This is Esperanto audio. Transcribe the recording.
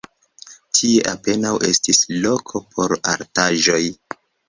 Tie apenaŭ estis loko por artaĵoj.